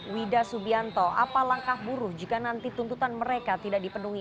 wida subianto apa langkah buruh jika nanti tuntutan mereka tidak dipenuhi